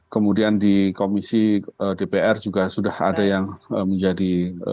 kemudian di komisi dpr juga sudah ada yang menjadi